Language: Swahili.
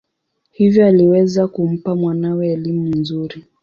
Hivyo aliweza kumpa mwanawe elimu nzuri.